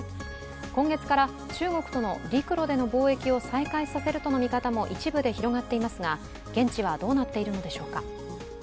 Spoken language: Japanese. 今月から中国との陸路での貿易を再開させるとの見通しを一部で広がっていますが、現地はどうなっているのでしょうか。